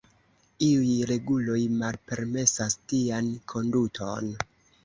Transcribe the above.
Iuj reguloj malpermesas tian konduton.